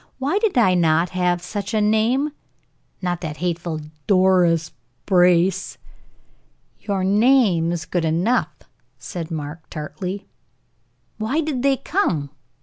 Why did not I have such a name not that hateful Doris Brace!" "Your name is good enough," said Mark, tartly. "Why did they come?"